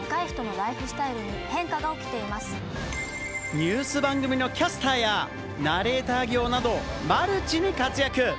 ニュース番組のキャスターやナレーター業などマルチに活躍。